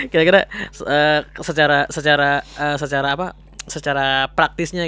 kira kira secara praktisnya